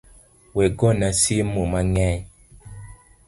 We gona simu mang’eny